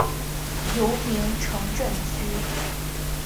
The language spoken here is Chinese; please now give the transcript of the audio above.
尤宁城镇区。